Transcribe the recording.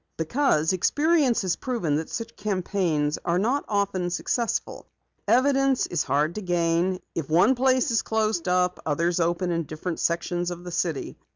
"Because experience has proven that such campaigns are not often successful. Evidence is hard to gain. If one place is closed up, others open in different sections of the city.